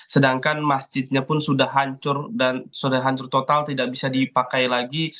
sedangkan masjidnya pun sudah hancur dan sudah hancur total tidak bisa dipakai lagi